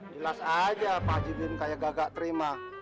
jelas aja pak haji muhyiddin kayak gak gak terima